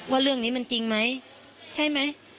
ว่าเรื่องนี้มันจริงไหมใช่ไหม